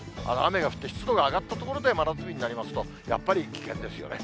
雨が降って、湿度が上がったところで真夏日になりますと、やっぱり危険ですよね。